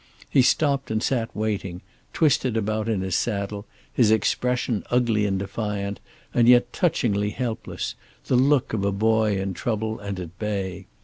He stopped and sat waiting, twisted about in his saddle, his expression ugly and defiant, and yet touchingly helpless, the look of a boy in trouble and at bay.